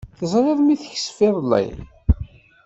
Teẓriḍ mi teksef iḍelli?